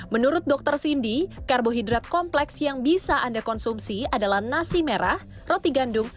menurut dokter cindy karbohidrat kompleks yang bisa anda konsumsi adalah nasi merah roti gandum